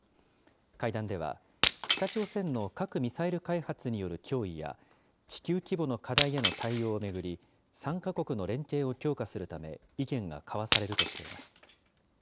会談では、北朝鮮の核・ミサイル開発による脅威や、地球規模の課題への対応を巡り、３か国の連携を強化するため、意見が交わされるとしています。